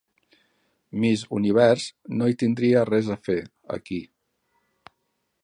Miss Univers no hi tindria res a fer, aquí.